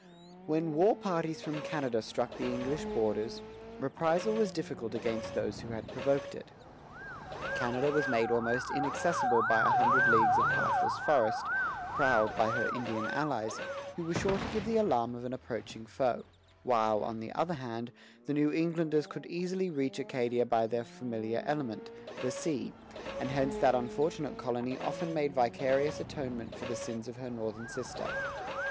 When war parties from Canada struck the English borders, reprisal was difficult against those who had provoked it. Canada was made almost inaccessible by a hundred leagues of pathless forest, prowled by her Indian allies, who were sure to give the alarm of an approaching foe; while, on the other hand, the New Englanders could easily reach Acadia by their familiar element, the sea; and hence that unfortunate colony often made vicarious atonement for the sins of her northern sister.